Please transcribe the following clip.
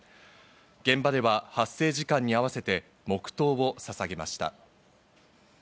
現場では発生時間に合わせて黙祷をささげました。